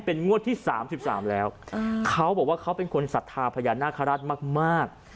เป็นงวดที่๓๓แล้วเขาบอกว่าเขาเป็นคนศรัทธาพญานาคาราชมาก